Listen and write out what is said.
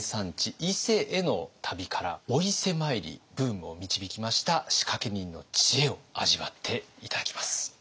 伊勢への旅からお伊勢参りブームを導きました仕掛け人の知恵を味わって頂きます。